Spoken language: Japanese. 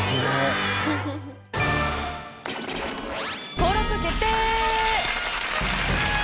登録決定！